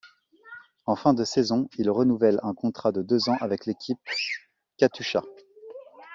En fin de saison, il renouvelle un contrat de deux ans avec l'équipe Katusha.